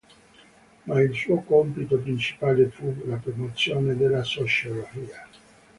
Ma il suo compito principale fu la promozione della sociologia.